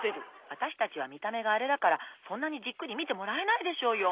わたしたちはみためがあれだからそんなにじっくりみてもらえないでしょうよ！